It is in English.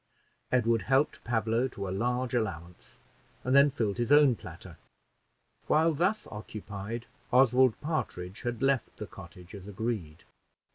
Edward helped Pablo to a large allowance, and then filled his own platter; while thus occupied, Oswald Partridge had left the cottage, as agreed.